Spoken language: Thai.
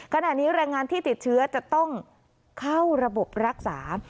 ขณะนี้แรงงานที่ติดเชื้อจะต้องเข้าระบบรักษา